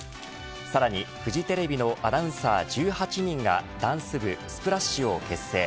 さらにフジテレビのアナウンサー１８人がダンス部ＳＰＬＡＳＨ！を結成。